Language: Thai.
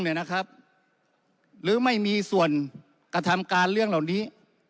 หรือไม่มีส่วนกระทำการเรื่องเหล่านี้